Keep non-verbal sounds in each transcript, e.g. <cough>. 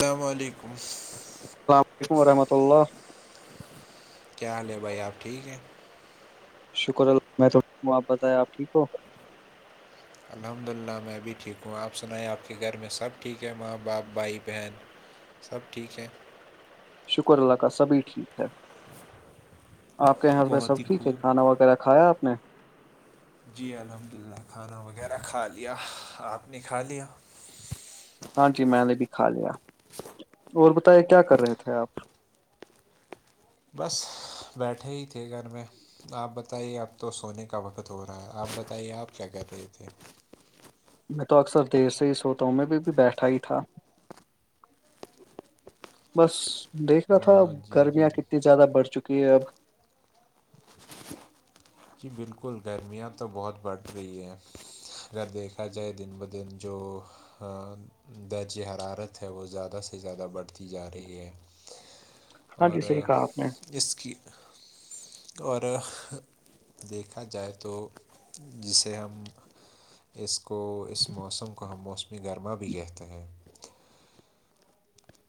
اللام علیکم السلام علیکم ورحمۃ اللہ کیا حال ہے بھائی آپ ٹھیک ہے شکر اللہ میں تو آپ بتیا آپ ٹھیک ہو الحمد للہ میں بھی ٹھیک ہوں آپ سنائیں آپ کے گھر میں سب ٹھیک ہے ماں باپ بھائی بہن سب ٹھیک ہے شکر اللہ کا سبھی ٹھیک ہے آپ کے یہاںس ب سب بہت ہی ٹھیک ہے کھانا خوب وغیرہ کھایا آپ نے جی الحمد للہ کھانا وغیرہ کھا لیا آپ نے کھا لیا ہاں جی میں نے بھی کھا لیا اور بتائیے کیا کر رہے تھے آپ بس بیٹھے ہی تھے گھر میں آپ بتائیے اب تو سونے کا وقت ہو رہا ہے آپ بتائیے آپ کیا کہ رہے تھے میں تو اکثر دیر سے ہی سوتا ہوں میں بھی بھی بیٹھا ہی تھا بس دیکھ رہا تھا ا جی جی گرمیاں کتنی زیادہ بڑھ چکی ہے اب جی بالکل گرمیاں تو بہت بڑھ رہی ہیں اگر دیکھا جائے دن ب دن جو درجہ حرارت ہے وہ زیادہ سے زیادہ بڑھتی جا رہی ہے ہاں اور جی صحیح کہا آپ نے اس کی اور دیکھا جائے تو جسے ہم اس کو اس موسم کو ہم موسمی گرما بھی کہتے ہیں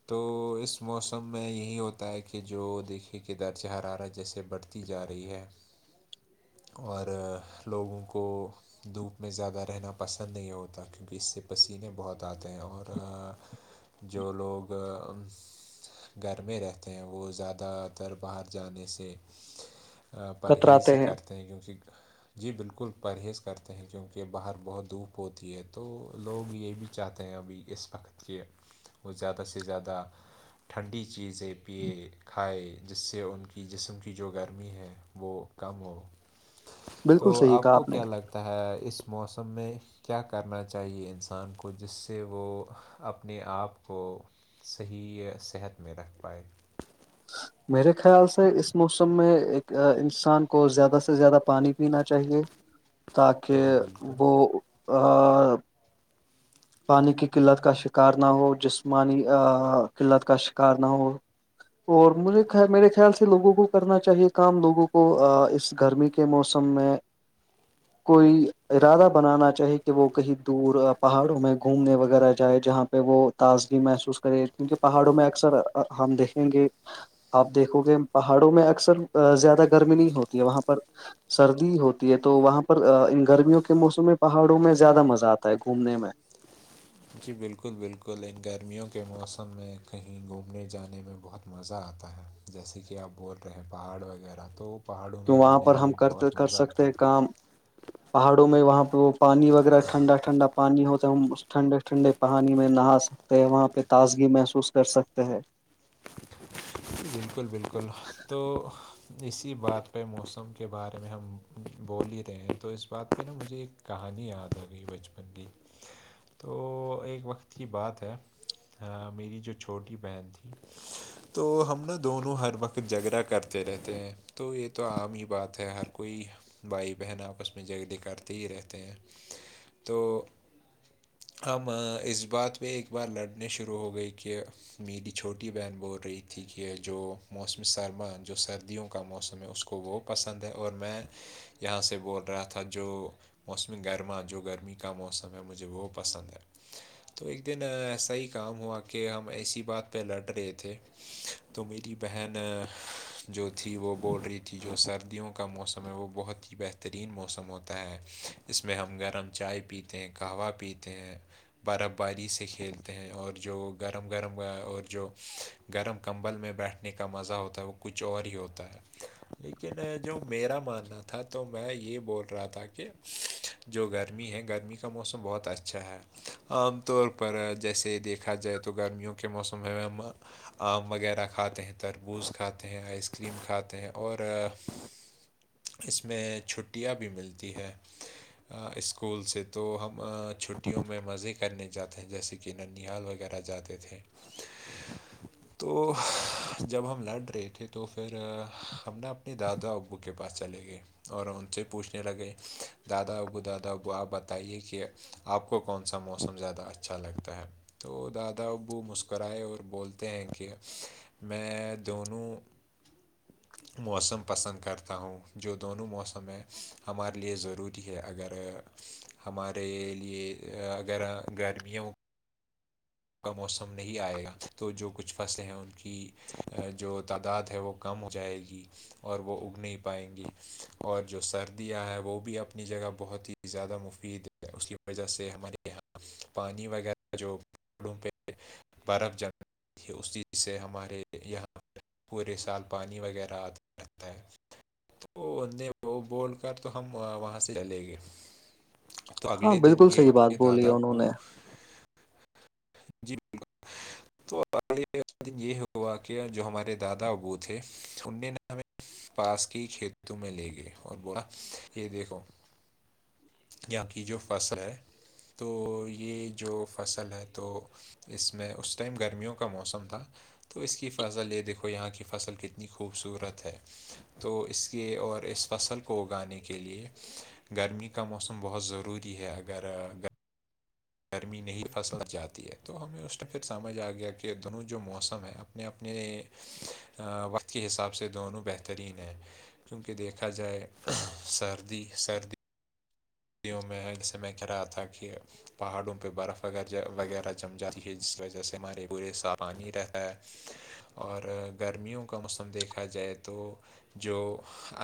تو اس موسم میں یہی ہوتا ہے کہ جو دیکھے کہ درجہ ہراارا جیسے بڑھ جا رہی ہے اور لوگوں کو دھوپ میں زیادہ رہنا پسند نہیں ہوتا کیونکہ اس سے پسینے بہت آتے ہیں اور جو لوگ گھر میں رہتے ہیں وہ زیادہ تر باہر جانے سے پرہیز ہی کرتے ہیں کیونکہ جی بالکل پرہیز کرتے ہیں کیونکہ باہر بہت دھوپ ہوتی ہے تو لوگ یہ بھی چاہتے ہیں ابھی اس وقت کے وہ زیادہ سے زیادہ ٹھنڈی چیزیں پیئے کھائے جس سے ان کی جسم کی جو گرمی ہے وہ کم ہو بالکل تو صحیح آپ کہا کو نے کیا لگتا ہے اس موسم میں کیا کرنا چاہیے انسان کو جس سے وہ اپنے آپ کو صحیح صحت میں رکھ پائے میرے خیال سے اس موسم میں ایک انسان کو زیادہ سے زیادہ پانی پینا چاہیے تاکہ جی بالکل وہ پانی کی قلت کا شکار نہ ہو جسمانی قلت کا شکار نہ ہو اور مجھے میرے خیال سے لوگوں کو کرنا چاہیے کام لوگوں کو اس گھر میں کے موسم میں کوئی ارادہ بنانا چاہی کہ وہ کہیں دور پہاڑ میں گھومنے وغیرہ جائے جہاں پہ وہ تازگی محسوس کرے کیونک پہاڑوں میں اکثر ہم دیکھیں گے آپ دیکھو گے پہاڑوں میں اکثر زیادہ گرمی نہیں ہوتی ہے وہاں پر سردی ہوتی ہے تو وہاں پر ان گرمیوں کے موسم میں پہاڑوں میں زیادہ مزہ آتا ہے گھومنے میں جی بالکل بالکل ان گرمیوں کے موسم میں کہیں گھومنے جانے میں بہت مزہ آتا ہے جیسے کہ آپ بول رہے ہیں پہاڑ وغیرہ تو پہاڑوں کی میں وہاں جانے پر ہم میں کرتے بہت کر مزہ سکتے آتا ہیں ہے کام پہاڑوں میں وہاں پہ وہ پانی وغیرہ ٹھنڈا ٹھنڈا پانی ہوتا ہے ہم اس ٹھنڈے ٹھنڈے پانی میں نہا سکتے وہاں پہ تازگی محسوس کر سکتے ہیں بالکل بالکل تو اسی بات پہ موسم کے بارے میں ہم بول ہی رہے ہیں تو اس بات پہ نا مجھے ایک کہانی یاد آ گئی بچپن کی تو ایک وقت کی بات ہے ہاں میری جو چھوٹی بہن تھی تو ہم نا دونوں ہر وقت جھگڑا کرتے رہتے ہیں تو یہ تو عام ہی بات ہے ہر کوئی بھائی بہن آپس میں جگد کرتے ہی رہتے ہیں تو ہم اس بات پہ ایک بار لڑنے شروع ہو گئی کہ میری چھوٹی بہن بول رہی تھی یہ جو موسم سرما جو سردیوں کا موسم ہے اس کو وہ پسند ہے اور میں یہاں سے بول رہا تھا جو موسم گرما جو گرمی کا موسم ہے مجھے وہ پسند ہے تو ایک دن ای صحیح کام ہوا کہ ہم ایسی بات پہ لٹ رہے تھے تو میری بہن جو تھی وہ بول رہی تھی جو سردیوں کا موسم ہے وہ بہت ہی بہتر بہترین موسم ہوتا ہے اس میں ہم گرم چائے پیتے ہیں قہوہ پیتے ہیں برف باری سے کھیلتے ہیں اور جو گرم گرم اور جو گرم کمبل میں بیٹھنے کا مزہ ہوتا ہے وہ کچھ اور ہی ہوتا ہے لیکن جو میرا ماننا تھا تو میں یہ بول رہا تھا کہ جو گرمی ہے گرمی کا موسم بہت اچھا ہے عام طور پر جیسے دیکھا جائے تو گرمیوں کے موسم میں آم وغیرہ کھاتے ہیں تربوز کھاتے ہیں آئس کریم کھاتے ہیں اور اس میں چھٹیاں بھی ملتی ہیں اسکول سے تو ہم چھٹیوں میں مزے کرنے جاتے ہیں جیسے کہ کہ ننال وغیرہ جاتے تھے تو جب ہم لڑ رہے تھے تو پھر ہم نے اپنے دادا ابو کے پاس چلے گئے اور ان سے پوچھنے لگے دادا ابو دادا ابو آپ بتائیے کہ آپ کو کون سا موسم زیادہ اچھا لگتا ہے تو دادا ابو مسکرائے اور بولتے ہیں کہ ٹھیک میں دونوں موسم پسند کرتا ہوں جو دونوں موسم میں ہمارے لیے ضروری ہے اگر ہمارے لیے اگر گرمیوں کا موسم نہیں آئے گا تو جو کچھ فصلیں ہیں ان کی جو تعداد ہے وہ کم ہو جائے گی اور وہ اگ نہیں پائیں گی اور جو سردیاں ہیں وہ بھی اپنی جگہ بہت ہی زیادہ مفید ہے اس کی وجہ سے ہمارے یہاں پانی وغیرہ جو پوم پہ بارف جان اس چیز سے ہمارے یہاں پورے سال پانی وغیرہ آتا رہتا ہے تو وہ ان نے وہ بول کر تو ہم وہاں سے چلے گے تو ہاں اگلے دن بالکل یہ و صحیح بات بولی دادا انہوں بو نے جی بالکل بے یہ ہوا کہ جو ہمارے دادا ابو تھے ان نے ن ہمیں پاس کے کھیتوں میں لے گئے اور بولاا یہ دیکھو یہاں کی جو فصل ہے تو یہ جو فصل ہے تو اس میں اس ٹائم گرمیوں کو کا موسم تھا تو اس کی فضل یہ دیکھو یہاں کی فصل کتنی خوبصورت ہے تو اس کے اور اس فصل کو اگانے کے لے گرمی کا موسم بہت ضروری ہے اگر گرمی نہیں فصل جاتی ہے تو ہمیں اس میں پھر سمجھ آ گیا کہ دونوں جو موسم ہے اب اپنے اپنے وقت کے حساب سے دونوں بہترین ہیں کیونکہ دیکھا جائے سردی سردی یوں میں اسسے میں کہہ رہا تھا کہ پہاڑوں پہ برف وغیرہ جم جاتی ہے جس وجہ سے ہمارے پورے سا پانی رہتا ہے اور گرمیوں کا موسم دیکھا جائے تو جو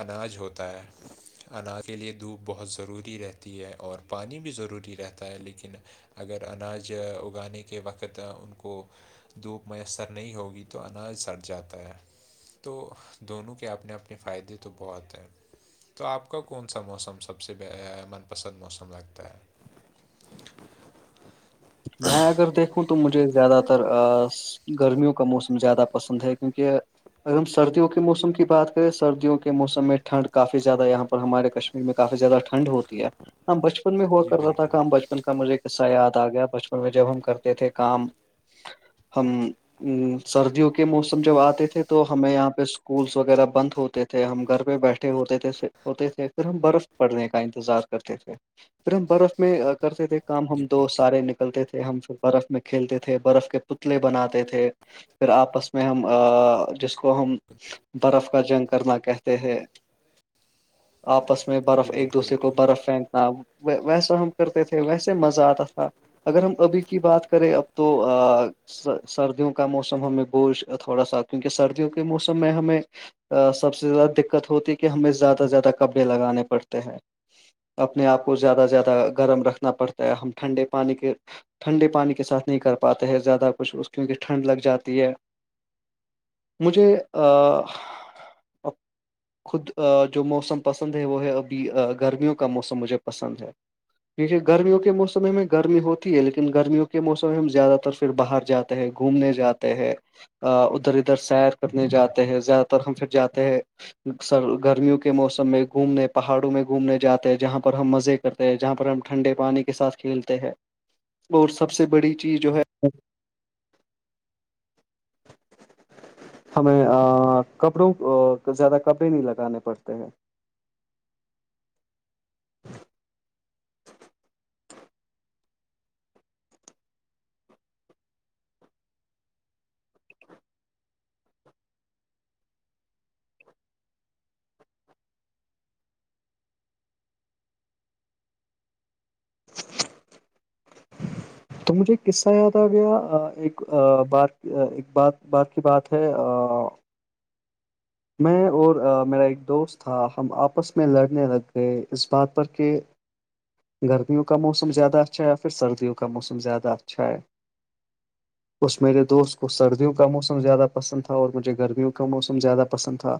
اناج ہوتا ہے اناج کے لیے دھوپ بہت ضروری رہتی ہے اور پانی بھی ضروری رہتا ہے لیکن اگر اناج اگانے کے وقت ان کو دھوپ میسر نہیں ہوگی تو اناج سٹ جاتا ہے تو دونوں کے اپنے اپنے فائدے تو بہت ہیں تو آپ کا کون سا موسم سب سے من پسند موسم لگتا ہے میں اگر دیکھوں تو مجھے زیادہ تر گرمیوں کا موسم زیادہ پسند ہے کیونکہ اگر ہم سردی کے موسم کی بات کریں سردیوں کے موسم میں ٹھڈ کافی زیادہ یہاں پر ہمارے کشیر میں کافی زیادہ ٹھنڈ ہوتی ہے ہ بچپن میں ہوا جی کرتا تھا بالکل کا ہم بچپن کا مجھے کصہ یاد آ گیا بچپن میں جب ہم کرتے تھے کام ہم ا سردیوں کے موسم جب آتے تھے تو ہمیں یہاں پہ اسکولس وغیرہ بند ہوتے تھے ہم گھر پہ بیٹھے ہوتے تھے ہوتے تھے پھر ہم برف پڑنے کا انتظار کرتے تھے پھر ہم برف میں کرتے تھے کام جی ہم دو سارے نکل نکلتے تھے ہم سے برف میں کھیلتے تھے برف کے پتلے بناتے تھے پھر آپس میں ہم جس اس کو ہم برف کا جنگ کرنا کہتے ہیں آپس میں برف جی ایک بالکل دوسرے بالکل کو برف پھینکنا ویسا ہم کرتے تھے ویسے مزہ آتا تھا اگر ہم ابھی کی بات کریں اب تو سردیوں کا موسم ہمیں بوج تھوڑا سا کیونکہ سردیوں کے موسم میں ہمیں سب سے زیادہ دقت ہوتی ہے کہ ہمیں زیادہ سے زیادہ کپڑے لگانے پڑتے ہیں اپنے آپ کو زیادہ سے زیادہ گرم رکھنا پڑتا ہے ہم ٹھنڈے پانی کے ٹھنڈے پانی کے ساتھ نہیں کر پاتے زیادہ کچھ اس کیونکہ ٹھنڈ لگ جاتی ہے مجھے آ <unintelligible> خود جو موسم پسند ہے وہ ہے ابھی گرمیوں کا موسم مجھے پسند ہے کیے گرمیوں کے موسم میں گرمی ہوتی ہے لیکن گرمیوں کے موسم میں ہم زیادہ تر پھر باہر جاتے ہیں گھومنے جاتے ہیں ادھر ادھر سیر کرنے جاتے ہیں زیادہ تر ہم پھر جاتے ہیں سر گرمیوں کے موسم میں گھومنے پہاڑوں میں گھومنے جاتے ہیں جہاں پر ہم مزے کرتے ہیں جہاں پر ہم ٹنڈے پانی کے سات کھیلتے ہیں اور سب سے بڑی چیز جو ہے ج ہمیں کپڑوں زیادہ کپڑے نہیں لگانے پڑتے ہیں <inaudible> تو مجھے قصہ یاد آ گیا ایک بار ایک بات بار کی بات ہے میں اور میرا ایک دوست تھا ہم آپس میں لڑنے لگ گئے اس بات پر کہ <unintelligible> گرمیوں کا موسم زیادہ اچھا یا پھر سردیوں کا موسم زیادہ اچھا ہے اس میرے دوست کو سردیوں کا موسم زیادہ پسند تھا اور مجھے گرمیوں کا موسم زیادہ پسند تھا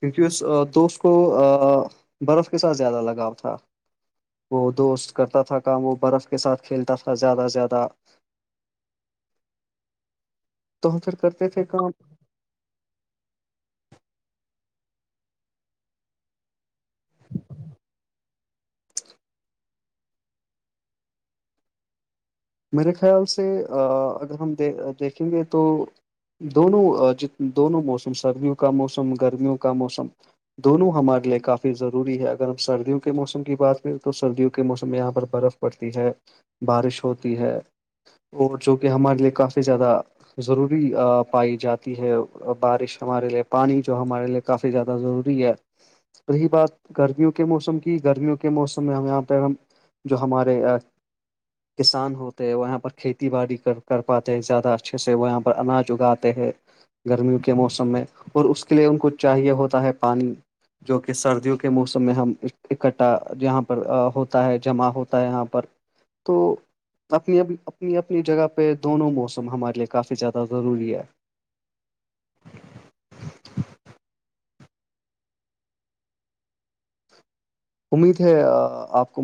کیونکہ اس تو اس کو برف کے ساتھ زیادہ لگاؤ تھا وہ دوست کرتا تھا کام وہ برف کے ساتھ کھیلتا تھا زیادہ سے زیادہ <unintelligible> تو پھر کرتے تھے کام میرے خیال سے اگر ہم د دیکھیں گے تو دونوں جت دونوں موسم سردیوں کا موسم گرمیوں کا موسم دونوں ہمارے لیے کافی ضروری ہے اگر ہم سردیوں کے موسم کی بات کریں تو سردیوں کے موسم میں یہاں پر برف پڑتی ہے بارش ہوتی ہے اور جو کہ ہمارے لیے کافی زیادہ ضروری پائی جاتی ہے بارش ہمارے لیے پانی جو ہمارے لیے کافی زیادہ ضروری ہے رہی بات گرمیوں کے موسم کی گرمیوں کے موسم میں ہم یہاں پہ ہم جو ہمارے کسان ہوتے ہیں وہاں پر کھیتی باڑی کر کر پاتے ہیں زیادہ اچھے سے وہ یہاں پر اناج اگاتے ہیں گرمیوں کے موسم میں اور اس کے لیے ان کو چاہیے ہوتا ہے پانی جو کہ سردیوں کے موسم میں ہم اکٹھا جاں پر ہوتا ہے جمع ہوتا ہے یہاں پر تو اپنی اپنی اپنی جگہ پہ دونوں موسم ہمارے لیے کافی زیادہ ضروری ہے امید ہے آپ کو